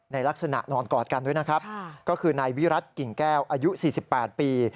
ในลักษณะนอนกอดกันด้วยคือนายวิรัติกิ่งแก้วอายุ๔๘ปี